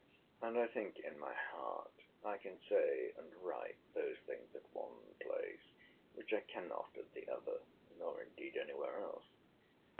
And I think in my heart I can say and write those things at one place which I cannot at the other, nor indeed any where else.